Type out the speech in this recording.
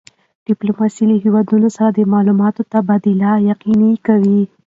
ډیپلوماسي له هېوادونو سره د معلوماتو تبادله یقیني کوي.